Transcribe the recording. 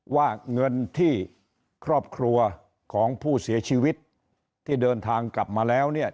ว่าเงินที่ครอบครัวของผู้เสียชีวิตที่เดินทางกลับมาแล้วเนี่ย